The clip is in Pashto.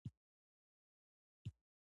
مجاهد د شهادت غوښتونکی وي.